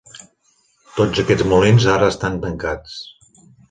Tots aquests molins ara estan tancats.